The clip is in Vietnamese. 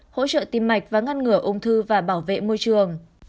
hỗ trợ tim mạch và ngăn ngừa ung thư và bảo vệ môi trường